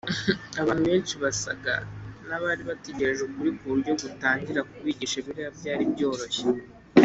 Abantu benshi basaga n abari bategereje ukuri ku buryo gutangira kubigisha Bibiliya byari byoroshye